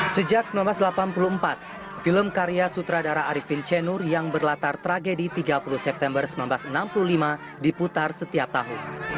sejak seribu sembilan ratus delapan puluh empat film karya sutradara arifin cenur yang berlatar tragedi tiga puluh september seribu sembilan ratus enam puluh lima diputar setiap tahun